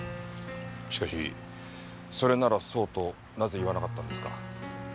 しかしそれならそうとなぜ言わなかったんですか？